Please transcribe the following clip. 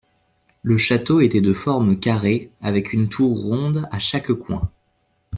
Le château était de forme carrée, avec une tour ronde à chaque coin.